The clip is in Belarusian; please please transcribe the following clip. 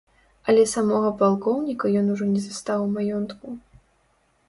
Але самога палкоўніка ён ужо не застаў у маёнтку.